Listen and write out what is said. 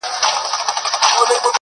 زه به قدم د رقیبانو پر لېمو ایږدمه -